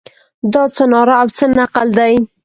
دا څه ناره او څه نقل دی.